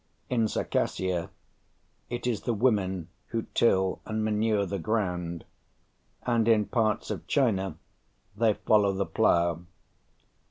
In Circassia it is the women who till and manure the ground, and in parts of China they follow the plough.